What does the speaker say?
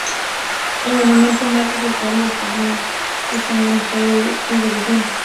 El monumento más reseñable es un hórreo, que está en buen estado de conservación.